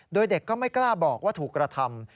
โดยเด็กก็ไม่กล้าบอกว่าถูกกระทำ